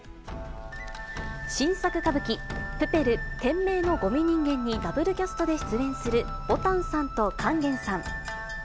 新作歌舞伎、プペル・天明の護美人間にダブルキャストで出演するぼたんさんと勸玄さん。